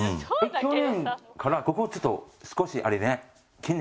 去年からここちょっと少しあれね筋肉。